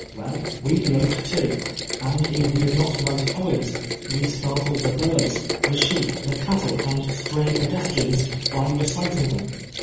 Well, we loafed too, and if we did not write poems, we startled the birds, the sheep, the cattle, and stray pedestrians, by reciting them.